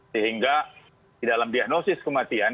sehingga di dalam diagnosis kematian